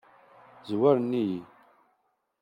Zwaren-iyi.